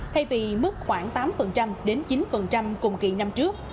thay vì mức khoảng tám đến chín cùng kỳ năm trước